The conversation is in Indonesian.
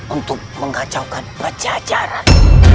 untuk mengacaukan pajajaran